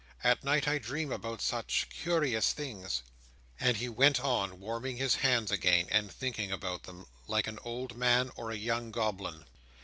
At night I dream about such cu ri ous things!" And he went on, warming his hands again, and thinking about them, like an old man or a young goblin.